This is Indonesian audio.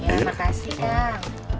iya makasih kang